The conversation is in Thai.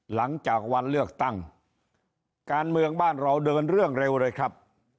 หลังจากวันเลือกตั้งการเมืองบ้านเราเดินเรื่องเร็วเลยครับ